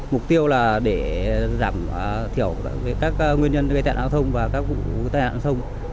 mục tiêu là để giảm thiểu các nguyên nhân về tài nạn giao thông và các vụ tài nạn giao thông